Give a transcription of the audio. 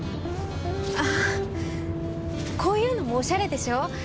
あこういうのもおしゃれでしょ？